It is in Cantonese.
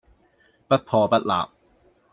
不破不立